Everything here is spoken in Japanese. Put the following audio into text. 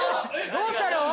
どうしたの？